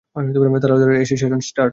তাড়াতাড়ি এসে session start করো!